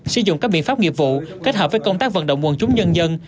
sử dụng các biện pháp nghiệp vụ kết hợp với công tác vận động quần chúng nhân dân